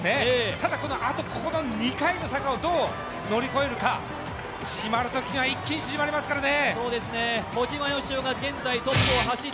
ただこのあと２回の坂をどう乗り越えるか、縮まるときは一気に縮まりますからね。